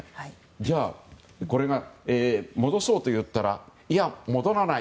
じゃあ、戻そうといったらいや、戻らない。